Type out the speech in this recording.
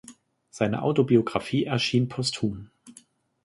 Seine Autobiographie erschien posthum.